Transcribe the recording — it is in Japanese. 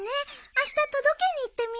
あした届けに行ってみる？